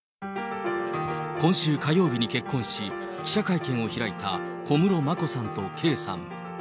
今週火曜日に結婚し、記者会見を開いた小室眞子さんと圭さん。